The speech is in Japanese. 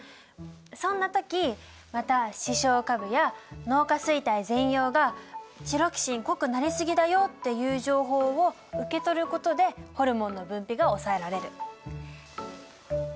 そんな時また視床下部や脳下垂体前葉が「チロキシン濃くなりすぎだよ」っていう情報を受け取ることでホルモンの分泌が抑えられる。